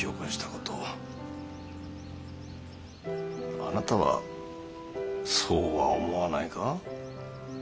あなたはそうは思わないか。